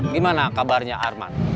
gimana kabarnya arman